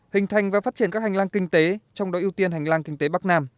hình thành và phát triển các hành lang kinh tế trong đó ưu tiên hành lang kinh tế bắc nam